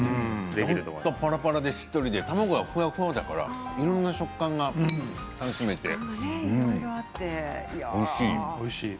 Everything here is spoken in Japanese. ほんとパラパラでしっとりで卵はふわふわだからいろんな食感が楽しめておいしい。